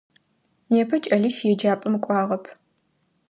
Непэ кӏэлищ еджапӏэм кӏуагъэп.